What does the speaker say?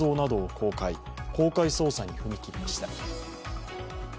公開捜査に踏み切りました。